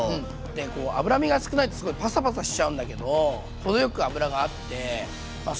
でこう脂身が少ないとすごいパサパサしちゃうんだけど程よく脂があってまあ